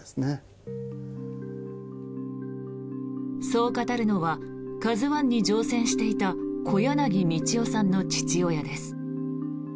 そう語るのは「ＫＡＺＵ１」に乗船していた小柳宝大さんの父親です。